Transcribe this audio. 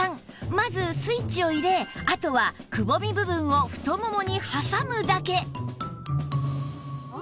まずスイッチを入れあとはくぼみ部分を太ももに挟むだけ